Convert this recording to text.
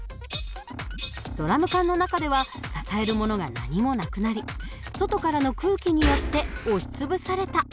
ドラム缶の中では支えるものが何もなくなり外からの空気によって押し潰されたという訳なんです。